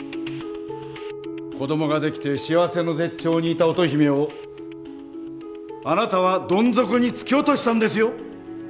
子どもができて幸せの絶頂にいた乙姫をあなたはどん底に突き落としたんですよ。